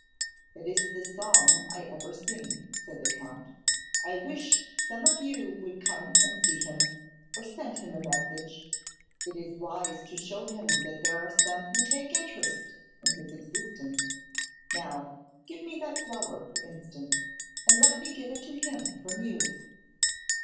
'It is the song I ever sing,' said the Count. 'I wish some of you would come and see him, or send him a message. It is wise to show him that there are some who take interest in his existence. Now, give me that flower, for instance, and let me give it to him from you.